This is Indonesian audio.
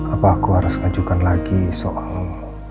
apa aku harus ajukan lagi soal